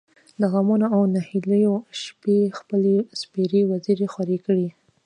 د غمـونـو او نهـيليو شـپې خپـلې سپـېرې وزرې خـورې کـړې.